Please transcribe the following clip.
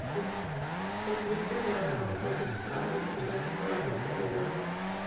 Descendientes de los voluntarios irlandeses viven en Colombia hasta el día de hoy.